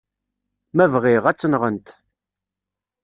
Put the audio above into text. Ma bɣiɣ, ad tt-nɣent.